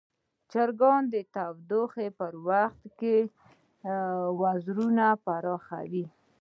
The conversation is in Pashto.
چرګان د تودوخې پر وخت وزرونه پراخوي.